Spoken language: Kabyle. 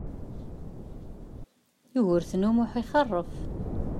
Yugurten U Muḥ ixeṛṛef.